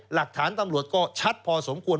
หลักฐานตำรวจก็ชัดพอสมควร